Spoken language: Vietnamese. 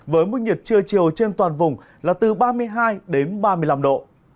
với mức nhiệt trưa chiều trên toàn vùng là từ ba mươi hai đến ba mươi năm độ